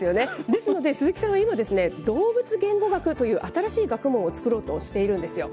ですので、鈴木さんが今、動物言語学という新しい学問を作ろうとしているんですよ。